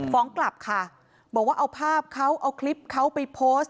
ฟ้องกลับค่ะบอกว่าเอาภาพเขาเอาคลิปเขาไปโพสต์